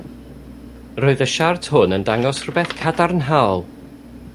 Roedd y siart hwn yn dangos rhywbeth cadarnhaol.